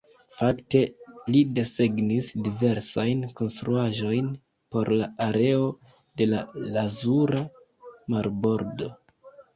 Fakte li desegnis diversajn konstruaĵojn por la areo de la Lazura Marbordo.